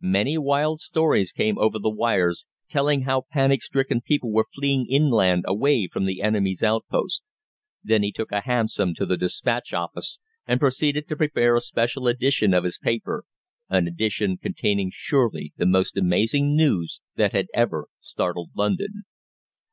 Many wild stories came over the wires telling how panic stricken people were fleeing inland away from the enemy's outposts. Then he took a hansom to the "Dispatch" office, and proceeded to prepare a special edition of his paper an edition containing surely the most amazing news that had ever startled London.